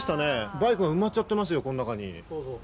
バイクが埋まっちゃってますよ、そうそう。